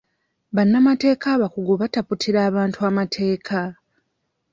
Bannamateeka abakugu bataputira abantu amateeka.